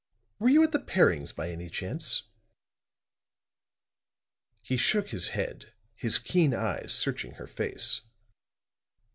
Were you at the Perrings, by any chance?" He shook his head, his keen eyes searching her face.